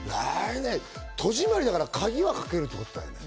戸締りだから鍵はかけるってことだよね。